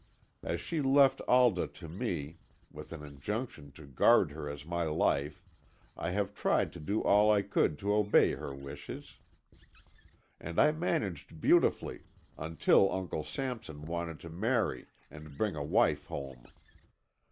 As she left Alda to me, with an injunction to guard her as my life, I have tried to do all I could to obey her wishes. And I managed beautifully until Uncle Sampson wanted to marry and bring a wife home.